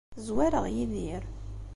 Zwareɣ Yidir.